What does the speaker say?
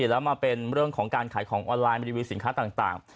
แล้วมาเป็นเรื่องของการขายของออนไลน์รีวิวสินค้าต่าง